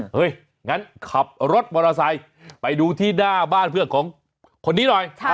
เฮ้ยงั้นขับรถมอเตอร์ไซค์ไปดูที่หน้าบ้านเพื่อนของคนนี้หน่อย